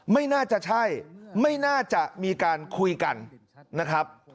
ไม่น่าจะใช่ไม่น่าจะมีการคุยกันนะครับ